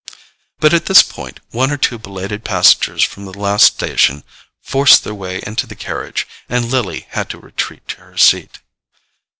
But at this point one or two belated passengers from the last station forced their way into the carriage, and Lily had to retreat to her seat.